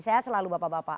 sehat selalu bapak bapak